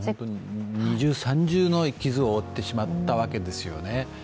二重三重の傷を負ってしまったわけですよね。